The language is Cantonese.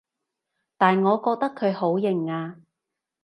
但我覺得佢好型啊